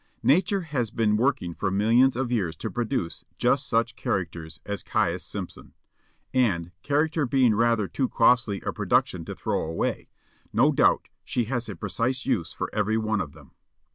Nature has been working for millions of years to produce just such characters as Caius Simpson, and, character being rather too costly a production to throw away, no doubt she has a precise use for every one of them.